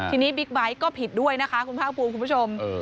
ทีนี้บิ๊กไบท์ก็ผิดด้วยนะคะคุณภาคภูมิคุณผู้ชม